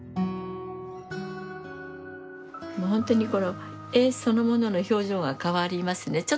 もうほんとにこの絵そのものの表情が変わりますね。